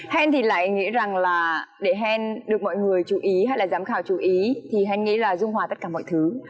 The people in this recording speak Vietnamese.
hèn thì lại nghĩ rằng là để hèn được mọi người chú ý hay là giám khảo chú ý thì hèn nghĩ là dung hòa tất cả mọi thứ